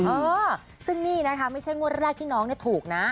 เออซึ่งนี่นะคะไม่ใช่งวดแรกที่น้องถูกนะ